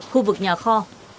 khu vực nhà kho